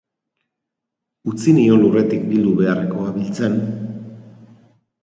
Utzi nion lurretik bildu beharrekoa biltzen.